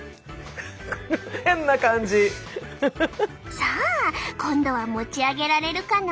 さあ今度は持ち上げられるかな？